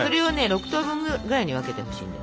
６等分ぐらいに分けてほしいんだよね。